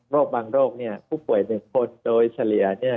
โรคบางโรคนี่ผู้ป่วยหนึ่งคนโดยเฉลี่ย